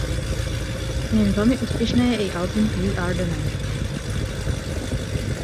Rovněž velmi úspěšné je i album "We Are the Night".